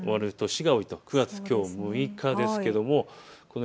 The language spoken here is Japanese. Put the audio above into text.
きょう６日ですけれども。